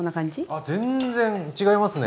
あ全然違いますね。